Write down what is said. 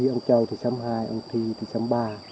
ông châu thì xăm hai ông thi thì xăm ba